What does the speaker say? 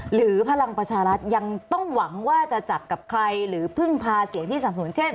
หรือพลังประชารัฐยังต้องหวังว่าจะจับกับใครหรือพึ่งพาเสียงที่สนับสนุนเช่น